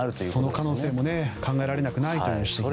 その可能性も考えられなくないという指摘です。